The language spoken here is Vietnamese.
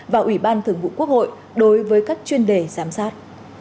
và ủy ban thường vụ quốc hội đối với các chuyên đề giám sát